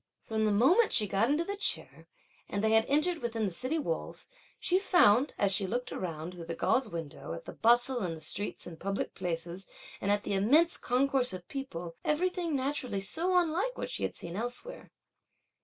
From the moment she got into the chair, and they had entered within the city walls, she found, as she looked around, through the gauze window, at the bustle in the streets and public places and at the immense concourse of people, everything naturally so unlike what she had seen elsewhere.